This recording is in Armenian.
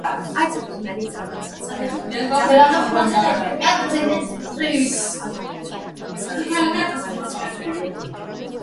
Այս ձգտումներից առանձնացան հեղափոխության գլխավոր լոզունգները՝ ազատություն, հավասարություն, եղբայրություն։